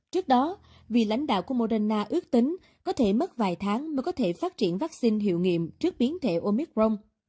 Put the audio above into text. trước đó vì lãnh đạo của moderna ước tính có thể mất vài tháng mới có thể phát triển vaccine hiệu nghiệm trước biến thể omicron